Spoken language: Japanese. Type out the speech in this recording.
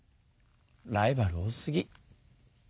ライバル多すぎ。